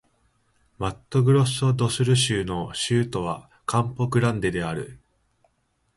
マットグロッソ・ド・スル州の州都はカンポ・グランデである